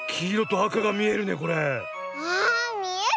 ああみえる！